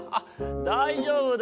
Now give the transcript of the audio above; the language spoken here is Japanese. だいじょうぶだよ。